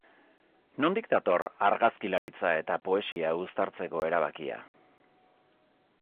Nondik dator argazkilaritza eta poesia uztartzeko erabakia?